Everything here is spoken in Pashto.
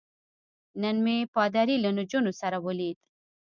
نن مې پادري له نجونو سره ولید.